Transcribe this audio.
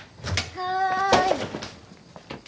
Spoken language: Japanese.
はい。